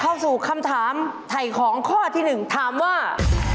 เข้าสู่คำถามไถ่ของข้อที่๑ถามว่า